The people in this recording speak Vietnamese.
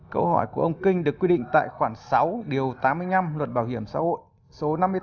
câu hỏi của ông kinh được quy định tại khoảng sáu điều tám mươi năm luật bảo hiểm xã hội số năm mươi tám